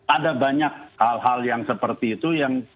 ada banyak hal hal yang seperti itu yang